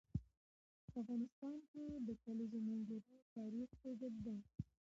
په افغانستان کې د د کلیزو منظره تاریخ اوږد دی.